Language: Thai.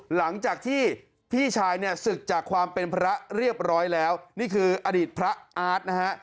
หลังจากที่พี่ชายเนี่ยศึกจากความเป็นพระเรียบร้อยแล้วนี่คืออดีตพระอาร์ตนะฮะ